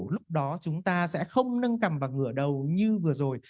lúc đó chúng ta sẽ không nâng cầm và ngửa đầu như vừa rồi